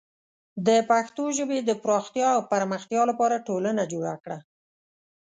د پښتو ژبې د پراختیا او پرمختیا لپاره ټولنه جوړه کړه.